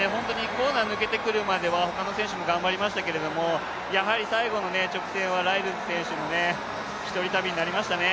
コーナー抜けるまでは、本当に他の選手も頑張りましたけれども、最後の直線はライルズ選手の１人旅になりましたね。